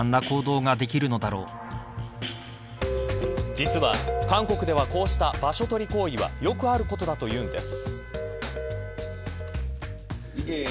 実は韓国ではこうした場所取り行為はよくあることだというんです。